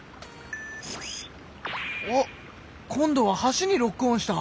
おっ今度は橋にロックオンした！